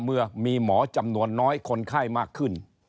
เมื่อมีหมอจำนวนน้อยคนไข้มากขึ้น